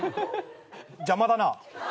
邪魔だな。